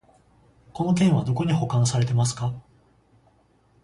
この件はどこに保管されてますか？